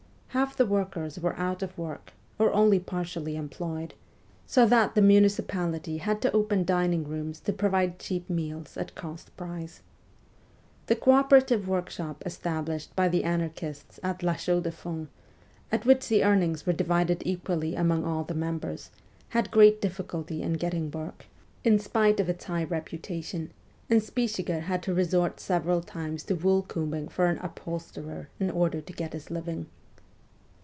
Half the workers were out of work or only partially employed, so that the munici pality had to open dining rooms to provide cheap meals at cost price. The co operative workshop established by the anarchists at La Chaux de Fonds, in which the earnings were divided equally among all the members, had great difficulty in getting work, in 204 MEMOIRS OF A REVOLUTIONIST spite of its high reputation, and Spichiger had to resort several times to wool combing for an upholsterer in order to get his living.